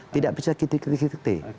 tidak bisa ketinggian